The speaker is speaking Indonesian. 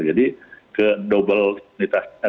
jadi ke double imunitasnya